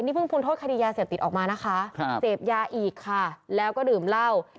นี่เพิ่งพ้นโทษคดียาเสพติดออกมานะคะเสพยาอีกค่ะแล้วก็ดื่มเหล้า